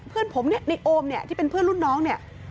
เพื่อนผมเนี่ยในโอมเนี่ยที่เป็นเพื่อนรุ่นน้องเนี่ย